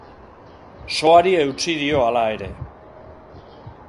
Soari eutsi dio hala ere.